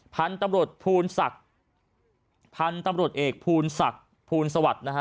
พันธ์ตำรวจเอกภูณศักดิ์ภูณสวัสดิ์